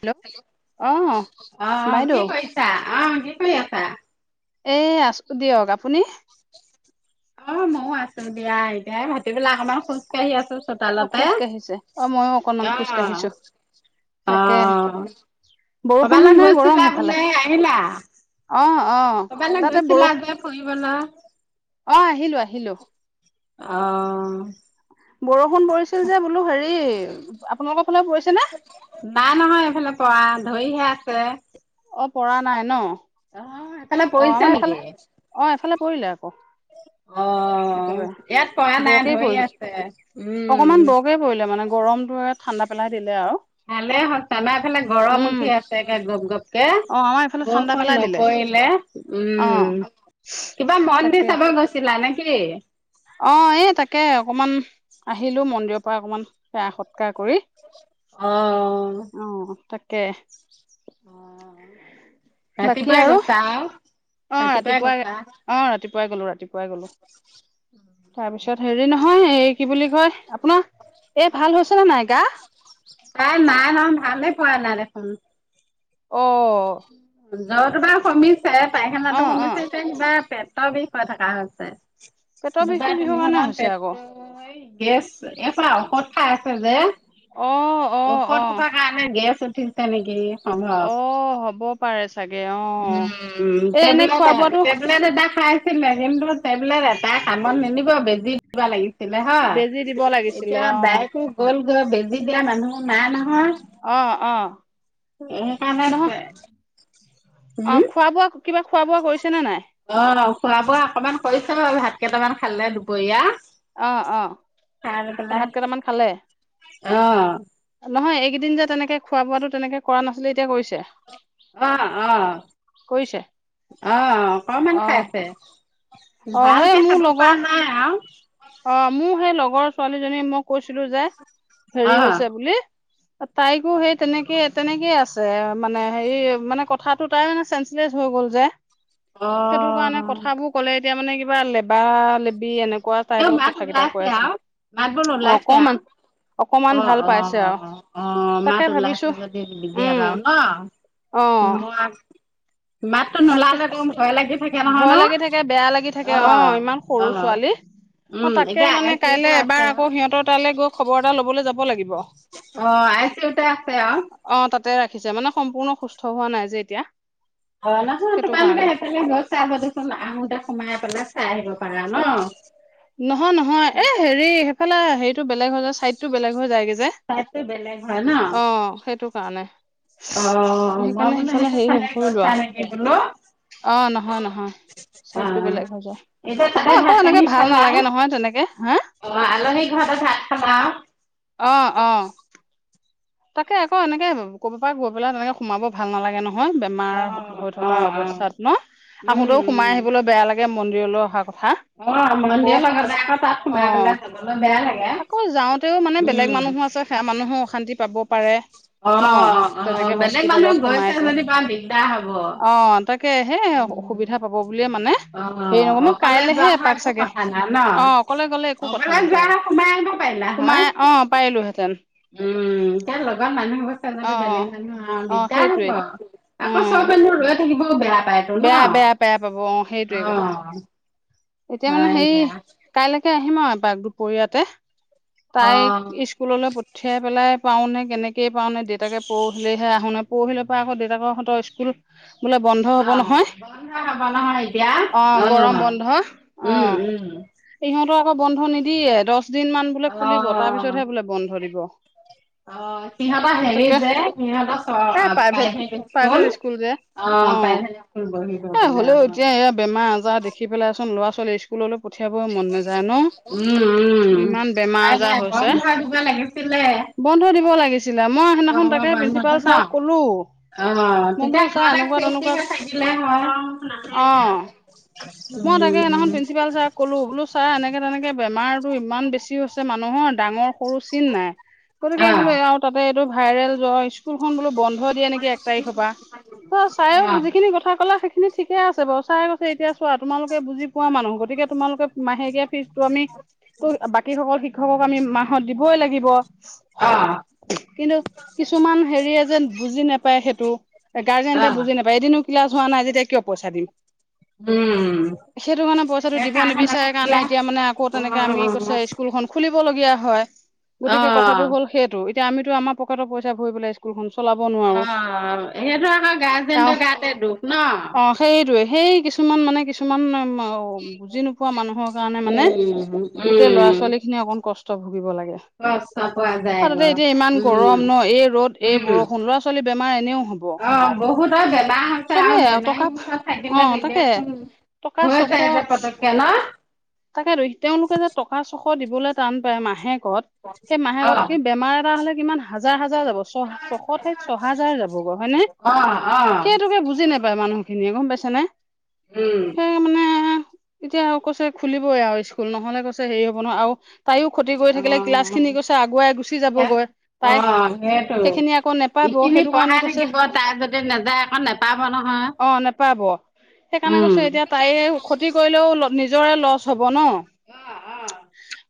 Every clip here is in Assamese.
হেল্ল' অ' অহ কি বাইদেউ কইছা অ কি কই আছা। এ আছো দিয়ক আপুনি? অ মও আছো দিয়া এতিয়া ভাতিবেলা অকমান খোজ কাহি আছো অ চোতালতে খোজ কাঢ়িছে অ মইও অকনমান খোজ অহ কাঢ়িছো অ তাকে বৰষুণ কবালে নে গৰম গৈচিলা সেইফালে বোলে আহিলা? অ অ কৰবালৈ তাতে গৈছিলা বৰষ যে ফুৰিবলৈ অ আহিলো আহিলো। অহ বৰষুণ পৰিছিল যে বোলো হেৰি আপোনালোকৰ ফালেও পৰিছেনে? নাই নহয় এইফালে পৰা ধইহে আছে। অ পৰা নাই ন। অ', এইফালে অ পৰিছে আমাৰ এইফালে নেকি? অ এফালে পৰিলে আক। অ ইয়াত পৰা নাই বৰকেই ধই পৰিলে আছে অকমান উম বৰকে পৰিলে মানে গৰমটোৱে ঠাণ্ডা পেলাই দিলে আউ। ভালে হৈছে আমাৰ এইফালে গৰম উঠি আছে একে গপ গপকে। অ আমাৰ এইফালে ঠাণ্ডা বষন পেলাই দিলে নপৰিলে অ উম, কিবা মন দি তাকে চাব গৈছ ছিলা নেকি। অ এই তাকে অকমান আহিলো মন্দিৰৰ পৰা অকমান সেৱ সৎকাৰ কৰি। অ অ তাকে অ ৰাতি বাকী পাই আৰু গৈছা আউ। অ, ৰাতিপুৱাই অ, ৰাতিপুৱাই গ'লো ৰাতিপুৱাই গ'লো। তাৰপিছত হেৰি নহয় এই কি বুলি কয় আপোনাৰ এই ভাল হৈছে নে নাই গা? তাই নাই ন ভালে পোৱা নাই দেখোন। অ'। জ্বৰতো বাৰু কমিছে অ পায়খানাটো অ কমিছে এতিয়া কিবা পেট ৰ বিষ হৈ থকা হৈছে পেটৰ বিষটো দুটাৰ কিহৰ তিনিবা কাৰণে মান হৈছে আকৌ পেটটো অ, গেছ [unintelligible] ঔসধ খাই আছে যে অ, অ। অ ঔসধ সোপা কাৰনে গেছ উঠিছে নেকি। সম্ভৱ। অ, হব পাৰে চাগে অ'। উম, এ এনে টেবলেট খোৱা বোৱাটো টেবলেট এটা খাই ছিলে কিন্তু টেবলেট এটাই কামত নিদিব বেজি দিব লাগিছিল। ছিলে হয় বেজি দিব লাগিছিলে এতিয়া অ বাইকো গ'ল গৈ বেজি দিয়া মানুহ নাই নহয়। অ, অ, সেইকাৰণে নহয় অ, খোৱা বোৱা কিবা খোৱা বোৱা কৰিছানে নে নাই? অ' ন খোৱা বোৱা অকমান কৰিছে বাৰু ভাত কেইটামান খালে দুপৰীয়া। অ', অ', খাই লৈ পেলাই ভাত কেইটামান খালে। অ'। নহয় এইকেইদিন যে তেনেকে খোৱা বোৱাটে তেনেকে কৰা নাছিলে এতিয়া কৰিছে। অ', অ', কৰিছে? অ', অকনমান অ', খাইছে। অ', সেই ভালকে মোৰ খাব পৰা লগৰ নাই আৰু অ', মোৰ সেই ছোৱালীজনী কৈছিলো যে হেৰি অ' হৈছে বুলি অ', তাইকো সেই তেনেকে তেনেকেইে আছে মানে হেৰি মানে কথাটো তাই মানে চে শ্লেছ হৈ গ'ল যে। সেইটো কাৰণে অ' কথাবোৰ ক'লে এতিয়া মানে কিবা লেবা লেবি এনেকুৱা ৱা তেওঁ টাইপত মাত কথ কেইটা ওলাইছে কৈ আছো আৰু মাত বোল ওলাইছে আৰু অকমান অকমান অ', ভাল অ', পাইছে আৰু অ', তাকে মাত ভাবিছো ওলাইছে যদি [unintelligible] উম, বাৰু ন। অ', ম আছ মাততো তাকে নোলালেতো ভয় লাগি থাকে নহয় ভয় ন, লাগি থাকে বেয়া লাগি থাকে অ', ইমান সৰু অ'। ছোৱালী অ উম, তাকে এতিয়া মানে আই চি কাইলৈ ইউতে এবাৰ আছে আকৌ আৰু। সিহঁতৰ তালৈ গৈ খবৰ এটা ল'বলে যাব লাগিব। অ', আই ছি ইউতে আছে আৰু। অ', তাতে ৰাখিছে মানে সম্পূৰ্ণ সুস্থ হোৱা নাই যে এতিয়া। অ', নহয় সেইটো তোমালোকে কাৰণে সেইফালে গল চাব দেচোন আহোতে সোমাই পেলাই চাই আহিব পাৰা ন'। নহয় নহয় এ হেৰি সেইফালে হেৰিটো বেলেগ হৈ যায় চাইদটো বেলেগ হৈ যায়গে যে। চাইদটো বে হয় ন। অ [unintelligible] অ', মই সেইকাৰণে বোলো সেইফালে সে হেৰি চাগে নকৰিলো গৈছা আৰু নেকি বোলো অ', নহয় নহয় চাইডটো অ', বেলেগ হৈ যায় এতিয়া তাতে আকৌ ভাত এনেকে পানী ভাল ভাল খালা? নালাগে নহয় তেনেকে হা? অ', আলহি ঘৰতে ভাত খাবা আৰু। অ', অ'। তাকে আক' এনেকে ক'বা পৰা গৈ পেলাই তেনেকে সোমাব ভাল নালাগে নহয়। মাৰ অ', হৈ থকা অ', অ', অৱস্থাত ন উম, আহোতেও সোমাই উম। আহিবলৈ বেয়া লাগে মন্দিৰলৈ অহা কথা। অ', আকৌ মন্দিৰৰ লগতে আকৌ তাত সোমাই অ', পেলাই যাবলৈ বেয়া লাগে, আকৌ যাওঁতেও মানে বেলেগ উম। মানুহো আছে। সেইয়া মানুহো অশান্তি পাব পাৰে অ ন' অ তেনেকে বেলেগ মানুহ হস্পিতালত সোমাই গৈছে যদি বা দিগদাৰ হব। অ', তাক তাকেহে অসুবিধা পাব বুলিয়ে মানে অ হেৰি নকৰ মই অকলে কাইলেহে যোৱা হয় এপাক একো চাগে কথা নাই ন অ' অকলে গ'লে একো কথা অকলে যোৱা নাথাকে, হয় সোমাই আহিব পাৰিলা সোমাই হয় অ', পাৰিলোহেঁতেন। উম, এতিয়া লগৰ মানুহব অ টো বেলেগ মানুহ আৰু অ অ দিগদাৰ সেইটোৱে হ'ব, আকৌ উম চ'ব মানুহ ৰৈ থাকিবও বেয়া পায়। বেয়া বেয়া বেয়া পাব অ সেইটোৱে কথা [unintelligible] ন' অ'। এতিয়া মানে হয় হেই দিয়া কাইলৈকে আহিম আৰু এপাক দুপৰীয়াতে। অ তাইক স্কুললৈ পঠিয়াই পেলাই পাওনে কেনেকে পাও নে দেউতাকে পৰহিলেহে আহোনে পৰহিলে পৰা আকৌ দেউতাকৰহঁতৰ স্কুল। বোলে বন্ধ হ'ব অ নহয় বন্ধ হব নহয় এতিয়া অ', অ উম গৰম বন্ধ অ'। উম ইহঁতৰ আকৌ বন্ধ নিদিয়ে দহ দিন মান বোলে অ খুলিব। তাৰ পিছতহে বোলে বন্ধ দিব। অ', সিহঁতৰ হেৰি তাকে যে, এ সিহঁতৰ প্ৰাইভেট প্ৰাইভেট স্কুল। যে অ', প্ৰাইভেট স্কুল বহিব বোলে অ'। বেমাৰ-আজাৰ দেখি পেলাইচোন ল'ৰা-ছোৱালী স্কুললৈ পঠিয়াবই মন নাযায় ন' উম উম ইমান বেমাৰ তাকে আজাৰ হৈছে। বন্ধ দিব লাগিছিলে বন্ধ দিব লাগিছিলে মই সিদিনাখন গৰমৰ তাকে বন্ধটো প্ৰিঞ্চিপাল ন ছাৰক ক'লো। অ', মই তেতিয়া বোলো ছাৰ ঘৰতে এনেকুৱা চেফষ্টি তেনেকুৱা হৈ থাকিলে অ হয়। মই তাকে সেদিনাখন উম প্ৰিঞ্চিপাল ছাৰক ক'লো বোলো ছাৰ এনেকে তেনেকে বেমাৰতো ইমান বেছি হৈছে মানুহৰ, ডাঙৰ সৰু চিন নাই, গতিকে অ বোলো আৰু তাতে এইটো ভাইৰেল জ্বৰ স্কুলখন বোলো বন্ধ বন্ধ দিয়া নেকি এক তাৰিখৰ পৰা, তাৰপা চাৰেও অ যিখিনি কথা ক'লে সেইখিন নি ঠিকে আছে বাৰু চাৰে কৈছে এতিয়া চোৱা তোমালোকে বুজি পোৱা মানুহ গতিকে, তোমালোকে মাহেকীয়া ফিজটো আমি বাকী সকল শিক্ষকক আমি মাহত দিবই লাগিব। অ কিন্তু কিছুমান হেৰিয়ে যে বুজি নাপায় সেইটো। অ গাৰ্জেন্তে বুজি নাপায় এদিন ও ক্লাছ হোৱা নাই যেতিয়া কিয় পইচা দিম। উম। সেইটো কাৰণে পইচাটো দি দিব সেইকাৰণে মানে নিবিচাৰে কাৰণে ক্লাছ এতিয়া মানে আকৌ অ তেনেকে আমি কৈছে স্কুলখন খুলিবলগীয়া হয়। অ গতিকে কথাটো হ'ল সেইটো এতিয়া আমি আমাৰ পকেটৰ পইচা ভৰি পেলাই স্কুলখন চলাব নোৱাৰো। অ', সেইহটো আকৌ আহ গাৰ্জেণ্টৰ গাতে দোষ ন'? অ সেইটোৱে সেই কিছুমান মানে কিছুমান বুজি নোপোৱা মানুহৰ কাৰণে মানে উম গোটেই উম ল'ৰা-ছোৱালী খিনি অকন কষ্ট ভুগিব লাগে কষ্ট পোৱা যায় আৰু তাতে গৈ এতিয়া ইমান গৰম ন' এই ৰ'দ এই উম উম বৰষুণ ল'ৰা ছোৱালীৰ বেমাৰ এনেও হ'ব। অ', বহুতৰ বেমাৰ হৈছে চবেই আৰু বেমাৰী টকা ওচৰত অ থাকিলে তেতিয়া তাকে চোন টকা ছশ পতকে ন'? তাকে টো তেওঁলোকে যে টকা চশ দিবলৈ টান পায় মাহেকত। সেই অ', অ', মাহেকত কিন্তু বেমাৰ এটা হ'লে কিমান হাজাৰ হাজাৰ যাব। চহা ছশ ঠাইত ছয় হাজাৰ যাবগৈ হয়নে? অ', সেইটোকে বুজি নাপায় মানুহখিনিয়ে গ'ম পাইছে নে? উম। মানে এতিয়া কৈছে খুলিবই আৰু স্কুল নহ'লে কৈছে হেৰি হ'ব নহয়, আৰু তাইয়ো ক্ষতি কৰি থাকিলে ক্লাছ খিনি অ', কৈছে আগুৱাই গুচি যাবগৈ তাই অ', সেইটো সেইখিনি আকৌ নে নাপাব ইখিনি সেইটো কাৰণে পঢ়াই কৈছে, থাকিব তাই যদি নাযায় আকৌ নেপাব নহয়, অ' নেপাব। সেইকাৰণে উম। কৈছো এতিয়া তাই ক্ষতি কৰিলেও নিজৰে লষ্ট হ'ব ন? অ', অ',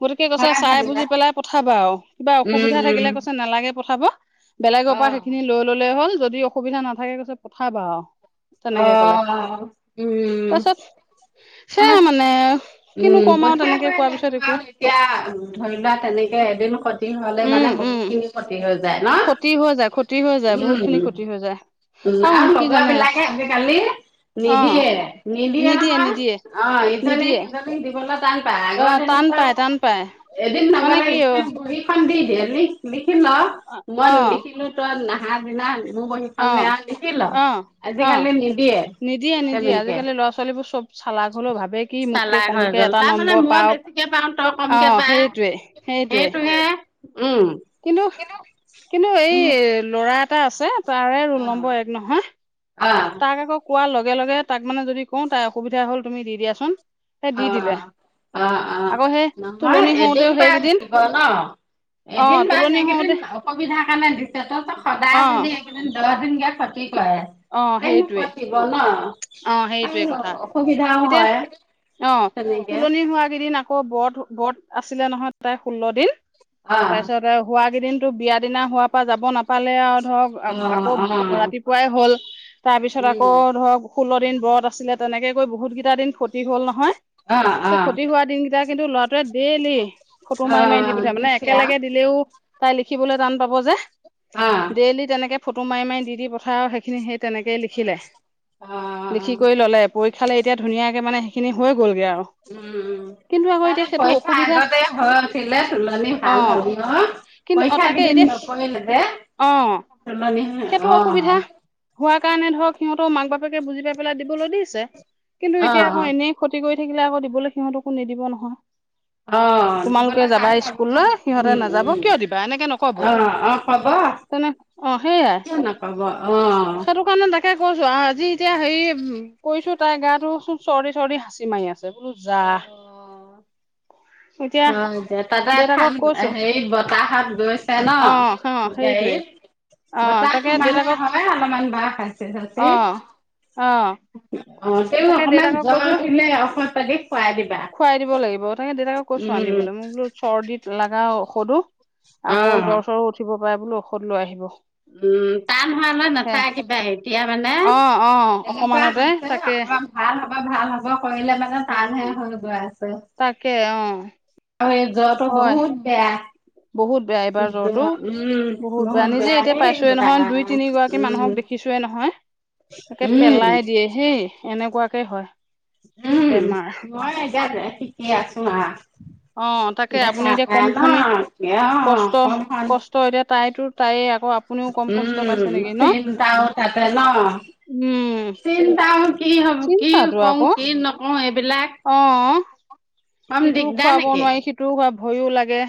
গতিকে কৈছে হয় চাই বুজি যেনিবা, পেলাই পঠাবা আৰু, কিবা উম, অসুবিধা উম, থাকিলে কৈছে নালাগে পঠাব। বেলেগৰ পৰা অ', সেইখিনি লৈ ল'লেই হ'ল, যদি অসুবিধা নাথাকে কৈছে পঠাবা আৰু। তেনেকে ক'লে, অ', উম, তাৰ পিছত সেয়া মানে। কিনো উম, ক'ম আৰু তেনেকে পঠিয়াবই কোৱাৰ পিছত। লাগিব একো এতিয়া ধৰি লোৱা তেনেকে এদিন ক্ষতি হ'লে মানে উম উম বহুত খিনি ক্ষতি হৈ যায় ন, ক্ষতি হৈ যায় ক্ষতি হৈ যায় বহুত উম খিনি ক্ষতি হৈ যায় উম আৰু কি লগৰ জানে বিলাক আজিকালি অ নিদিয়ে নিদিয়ে নহয়, অ' ইজনে নিদিয়ে সিজনক দিবলৈ টান পায়। অ আগৰ দিনত টান তেনেকুৱা পায় টান পায় আৰু এদিন মানে কি নগ'লে অ বহি খন দি দিয়ে লিখ লিখি ল, অ মই লিখিলো তই নাহা দিনা মোৰ বহি অ খন নে আৰু লিখি ল। অ অ আজিকালি নিদিয়ে নিদিয়ে নিদিয়ে তেনেকে। আজিকালি ল'ৰা ছোৱালীবোৰ চব চালাক হলেও ভাবে কি মোতকে চালাক হৈ কমকে গ'ল, এটা তাৰমানানে নম্বৰ মই পাওক বেছিকে পাওঁ তই কমকে আহ পা সেইটোৱে সেইটোৱে সেইটো। উম। কিন্তু কিন্তু এই উম, ল'ৰা এটা আছে তাৰে ৰোল নম্বৰ এক নহয়। অঁ। তাক আকৌ কোৱাৰ লগে লগে তাক মানে যদি কওঁ তাই অসুবিধা হ'ল তুমি দি দিয়াচোন। সেই দি অ', দিলে অ', অ'। আকৌ সেই নহয় তুলনি এদিন হওঁতেও বাৰু সেইকেইদিন দিব ন অ এদিন বা তুলনি হওঁতে এইকেইদিন অসুবিধাৰ কাৰণে দিছে। তই সদায় অ যদি দহ দিন কে ক্ষতি কৰে, অ তাইক নো সেইটোৱে ক'ত কিব অ সেইটোৱে ন'? কথা অসুবিধাও এতিয়া হয়। অ', তেনেকে। তুলনি হোৱা কেইদিন আকৌ ব্ৰত ব্ৰত আছিলে নহয় তাইৰ ষোল্ল দিন। অ', তাৰপিছত হোৱা কেইদিনতো বিয়া দিনা হোৱাৰ পৰা যাব নাপালে আৰু। ধৰক অ', আকৌ অ', ৰাতিপুৱাই হ'ল, তাৰপিছত উম, আকৌ ধৰক ষোল্ল দিন ব্ৰত আছিলে তেনেকে গৈ বহুত কেইটা দিন ক্ষতি হ'ল নহয়, অ', সেই অ', ক্ষতি হোৱা দিন তেতিয়া কিন্তু ল'ৰাটোৱে ডেইলি ফটো মাৰি মাৰি দি অ', পঠিয়াই মানে, দিছে আৰু একেলগে দিলেও তাই লিখিবলৈ টান পাব যে, অ', ডেইলি তেনেকে ফটো মাৰি মাৰি দি দি পঠায় আৰু, সেইখিনি সেই তেনেকেই লিখিলে। লিখি অ', কৰি ল'লে, পৰীক্ষালৈ এতিয়া ধুনীয়াকে মানে সেইখিনি হৈ গ'লগৈ আৰু। উম, কিন্তু আকৌ তাই এতিয়া যে সেইটো পৰীক্ষাৰ অসুবিধা আগতে হৈ ওঠিলে তোলনি অ ভাল হল ন? কিন্তু অ পৰীক্ষা তাকে কেইদিন এতিয়া নপঢ়িলে যে অ তোলনি সেইটো হ'ল অসুবিধা অ'। হোৱাৰ কাৰণে ধৰক সিহঁতৰও মাক-বাপেকে বুজি পাই পেলাই দিবলৈ দিছে। কিন্তু অ এতিয়া আকৌ এনেই ক্ষতি কৰি থাকিলে আকৌ দিবলৈ সিহঁতকো নিদিব নহয়। অ তোমালোকে দিবলৈ যাবা টান পাব ন স্কুললৈ, সিহঁতে উম নাযাব উম কিয় দিবা? এনেকে নকব? অ অ কব তেনে অ' সেইয়াই, কিয় নকব অ সেইটো কাৰণে তাকে কৈছো আজি এতিয়া হেৰি কৈছো তাই গা টো চোন চৰ্দি-চৰ্দি হাচি মাৰি আছে। আছে বোলো যা। অ এতিয়া হয় দে, তাতে দেউতাকক ঠাণ্ড কৈছো হেৰি বতাহত গৈছে অ ন' অ সেইটোৱে গাড়ীত? অ বতাহ তাকে সোমালে দেউতাকক হয়ে অলপমান কাঁহ হাঁ‌চি-চাঁ‌চি। অ অ অ', তেওঁ তাকে অকমান দেউতাকক জ্বৰ কৈছো উঠিলে ঔষধ পাতি খুৱাই দিবা। খুৱাই দিব লাগিব, তাকে দেউতাকক কৈছো উম আনিবলৈ মোক বোলো চৰ্দি লগা ঔষধো অ আকৌ জ্বৰ-চ্বৰো উঠিব পাৰে বোলো ঔষধ লৈ আহিব। উম, টান হোৱালে হে নাথাকিবা, এতিয়া মানে অ অ এনেকুৱা অকমানতে হৈছে তাকে অকমান ভাল হব ভাল হ'ব কৰিলে মানে টানহে হৈ গৈ আছে। তাকে অ, আৰু এই জ্বৰটো হয় বহুত বেয়া। বহুত বেয়া এইবাৰ জ্বৰতো উম বহুত বেয়া নিজে এতিয়া দেই পাইছোয়ে নহয়, দুই ৰাম তিনিগৰাকী উম। মানুহক দেখিছোৱে নহয় একে উম পেলাই দিয়ে হেই এনেকুৱাকে হয়। উম, বেমাৰ মই এতিয়া ঠিকে আছোং আ অ তাকে আপুনি এতিয়া দেখাকে কম ন খনি অ, কমখন ত' এতিয়া তাই তো তাইয়ে আক উম, চিন্তাও তাতে ন'? উম, চিন্তাও কি হব কি চিন্তাটো কং, আকৌ কি নকওঁ এইবিলাক অ, কম ইটোও দিগদাৰ খুৱাব নেকি? নোৱাৰি, সিটোও খোৱা ভয়ো লাগে।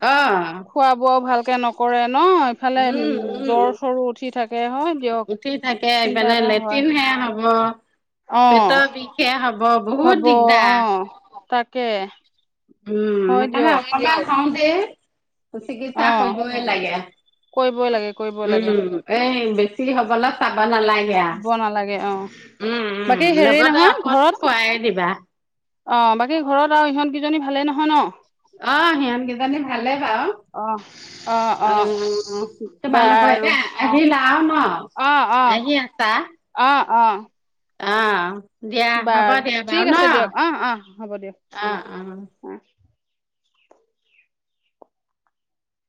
অ, খোৱা বোৱাও ভালকে নকৰে ন' ইফালে উম উম। জ্বৰ-চৰ ও উঠি থাকে হয় দিয়ক। উঠি থাকে, চিন্তা এপিলে এটা হয় লেট্ৰিন হে হ'ব- অ পেটৰ বিষহে হব, হ'ব বহুত অ দিগদাৰ। তাকে। উম, হয় সেইকাৰণে দিয়ক অকমান হওতেই চিকিৎসা অ কৰিবগে লাগে। কৰিবই লাগে কৰিবই লাগে উম, এই বেছি হ'বলে চাব নালাগ বেয়া দিব নালাগে অ উম-উম বাকী হেৰি লগতে নহয় ঘৰত ঔষধটো খোৱাইৱে দিবা। অ, বাকী ঘৰত আৰু ইহঁতগিজনী ভালেই নহয় ন' অ', সিহঁত গিজনি ভালে বাউ অ', অ', অ' বাৰু এ সি নাউ ন অ অ আহি আছা অ অ অ'। দিয়া, হ'ব বাৰু দিয়া বাৰু ঠিক ন', আছে দিয়ক অ অ হ'ব দিয়ক অ', অ'।